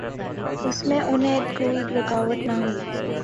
اس میں انہیں کوئی رکاوٹ نہ ہوئی۔